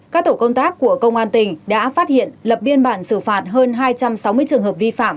các tổ công tác của công an tỉnh đã phát hiện lập biên bản xử phạt hơn hai trăm sáu mươi trường hợp vi phạm